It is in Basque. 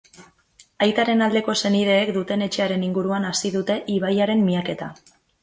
Aitaren aldeko senideek duten etxearen inguruan hasi dute ibaiaren miaketa.